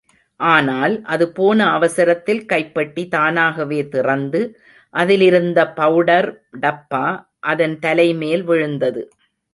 ஆனால், அது போன அவசரத்தில் கைப்பெட்டி தானாகவே திறந்து, அதிலிருந்த பவுடர் டப்பா அதன் தலைமேல் விழுந்தது.